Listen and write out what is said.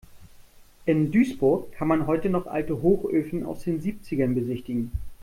In Duisburg kann man heute noch alte Hochöfen aus den Siebzigern besichtigen.